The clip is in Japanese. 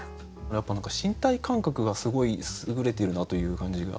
やっぱ何か身体感覚がすごいすぐれてるなという感じが。